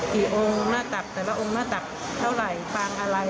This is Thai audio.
องค์หน้าตักแต่ละองค์หน้าตักเท่าไหร่ปางอะไร